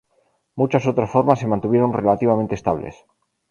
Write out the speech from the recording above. Muchas otras formas se mantuvieron relativamente estables.